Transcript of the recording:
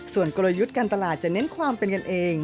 ส่วนกลยุทธ์การตลาดจะเน้นความเป็นกันเอง